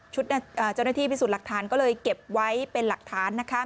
เจ้าหน้าที่พิสูจน์หลักฐานก็เลยเก็บไว้เป็นหลักฐานนะคะ